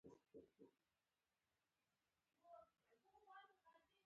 هلک د وخت قدر کوي.